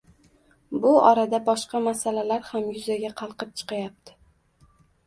Bu orada boshqa masalalar ham yuzaga qalqib chiqayapti.